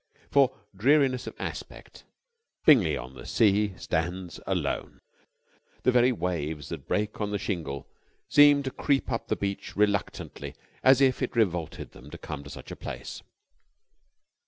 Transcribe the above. For dreariness of aspect Bingley on the Sea stands alone. The very waves that break on the shingle seem to creep up the beach reluctantly, as if it revolted them to come to such a place.